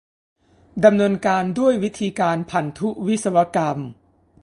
ดำเนินการด้วยวิธีการพันธุวิศวกรรม